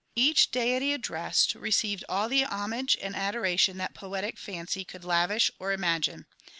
1 Each deity addressed received all the homage and adoration that poetic fancy could lavish or imagine.